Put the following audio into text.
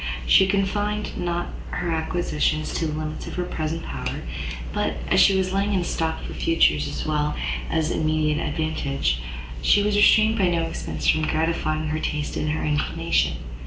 She confined not her acquisitions to the limits of her present power, but, as she was laying in a stock for future as well as immediate advantage, she was restrained by no expence from gratifying her taste and her inclination.